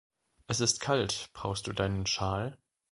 Es ist kalt, brauchst du deinen Schal?